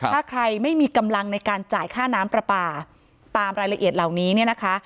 ถ้าใครไม่มีกำลังในการจ่ายค่าน้ำประปาตามรายละเอียดเหล่านี้เนี่ยนะคะ